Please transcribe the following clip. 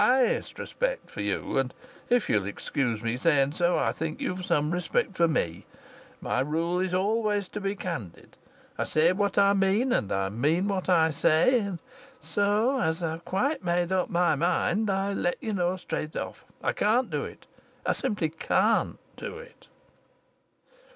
I've the highest respect for you, and if you'll excuse me saying so, I think you've some respect for me. My rule is always to be candid. I say what I mean and I mean what I say; and so, as I've quite made up my mind, I let you know straight off. I can't do it. I simply can't do it."